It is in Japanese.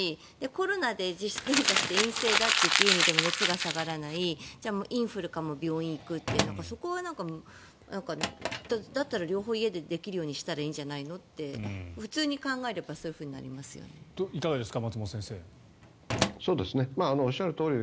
コロナで自主検査して陰性だっていって家にいても熱が下がらないじゃあインフルかも病院行くってだったら両方家でできるようにしたらいいんじゃないのって普通に考えればそうなりますよね。